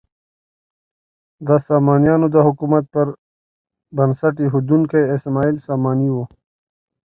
د سامانیانو د حکومت بنسټ ایښودونکی اسماعیل ساماني و.